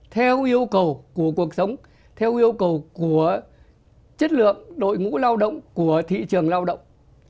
theo yêu cầu của cuộc sống theo yêu cầu của chất lượng đội ngũ lao động của thị trường lao động